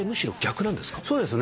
そうですね。